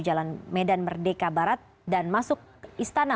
jalan medan merdeka barat dan masuk ke istana